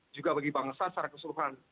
juga bagi bangsa secara keseluruhan